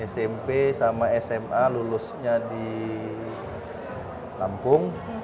smp sama sma lulusnya di lampung